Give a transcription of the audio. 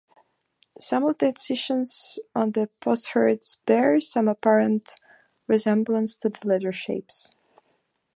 Some of the incisions on the potsherds bear some apparent resemblance to letter shapes.